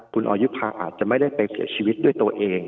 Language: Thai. คุณออยุภาอาจจะไม่ได้ไปเสียชีวิตด้วยตัวเอง